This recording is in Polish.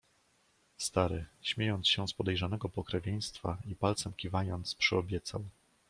"Stary, śmiejąc się z podejrzanego pokrewieństwa i palcem kiwając, przyobiecał."